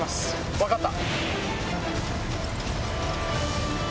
分かった。